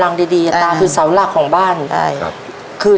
ทับผลไม้เยอะเห็นยายบ่นบอกว่าเป็นยังไงครับ